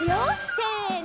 せの！